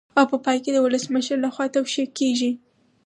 په پای کې د ولسمشر لخوا توشیح کیږي.